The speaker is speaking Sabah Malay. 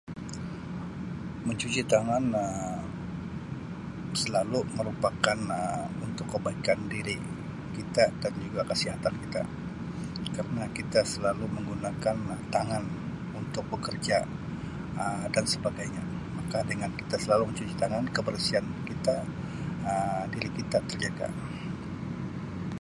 Mencuci tangan Um selalu merupakan Um untuk kebaikan diri kita dan juga kasihatan kita kerna kita selalu menggunakan tangan untuk bekerja Um dan sebagainya, maka dengan kita selalu mencuci tangan kebersihan kita Um diri kita terjaga.